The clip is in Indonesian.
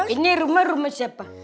ini rumah rumah siapa